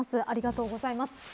ありがとうございます。